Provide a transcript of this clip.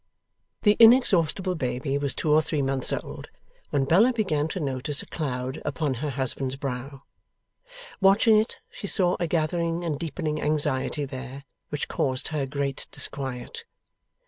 The inexhaustible baby was two or three months old, when Bella began to notice a cloud upon her husband's brow. Watching it, she saw a gathering and deepening anxiety there, which caused her great disquiet.